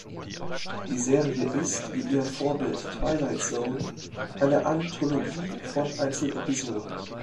Die Serie ist, wie ihr Vorbild "Twilight Zone", eine Anthologie von Einzelepisoden.